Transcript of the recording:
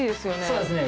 そうですね。